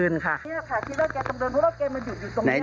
นี่ค่ะคิดว่าแกต้องเดินเพราะว่าแกมาอยู่ตรงนี้